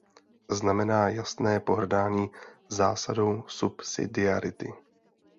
Znamená jasné pohrdání zásadou subsidiarity.